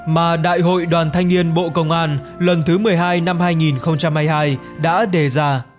mà đại hội đoàn thanh niên bộ công an lần thứ một mươi hai năm hai nghìn hai mươi hai đã đề ra